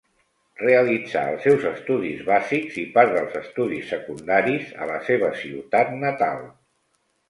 Realitzà els seus estudis bàsics i part dels estudis secundaris a la seva ciutat natal.